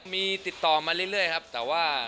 มีติดต่อมาเรื่อยครับแต่ว่า